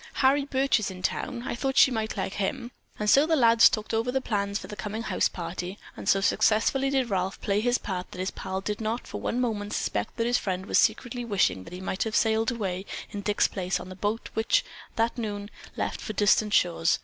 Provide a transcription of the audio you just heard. Harry Birch is in town. I thought she might like him." And so the lads talked over the plans for the coming house party, and so successfully did Ralph play his part that his pal did not for one moment suspect that his friend was secretly wishing that he might have sailed away in Dick's place on the boat which, that noon, had left for distant shores.